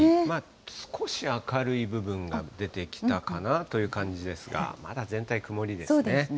少し明るい部分が出てきたかなという感じですが、まだ全体、曇りですね。